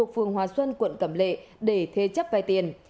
phường hòa xuân quận cẩm lệ để thế chấp vay tiền